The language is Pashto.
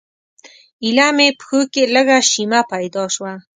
ایله مې پښو کې لږه شیمه پیدا شوه.